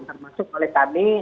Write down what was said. termasuk oleh kami